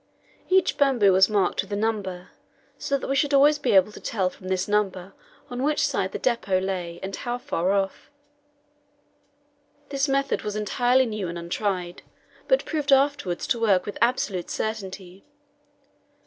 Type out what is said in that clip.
Each bamboo was marked with a number, so that we should always be able to tell from this number on which side the depot lay, and how far off. This method was entirely new and untried, but proved afterwards to work with absolute certainty.